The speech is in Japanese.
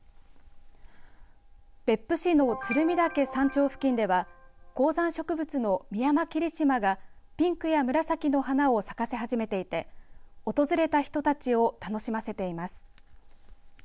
別府市の鶴見岳山頂付近では高山植物のミヤマキリシマがピンクや紫の花を咲かせ始めていて訪れた人たちを楽しませています。